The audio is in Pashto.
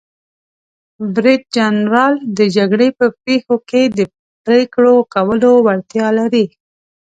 برید جنرال د جګړې په پیښو کې د پریکړو کولو وړتیا لري.